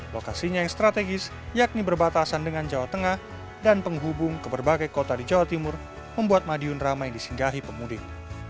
lokasinya yang strategis yakni berbatasan dengan jawa tengah dan penghubung ke berbagai kota di jawa timur membuat madiun ramai disinggahi pemudik